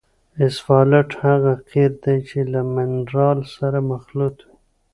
اسفالټ هغه قیر دی چې له منرال سره مخلوط وي